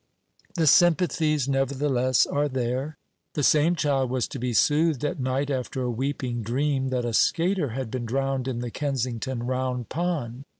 The sympathies, nevertheless, are there. The same child was to be soothed at night after a weeping dream that a skater had been drowned in the Kensington Round Pond.